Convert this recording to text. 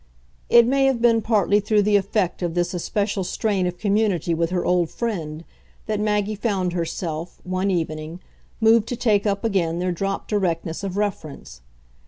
It may have been partly through the effect of this especial strain of community with her old friend that Maggie found herself, one evening, moved to take up again their dropped directness of reference.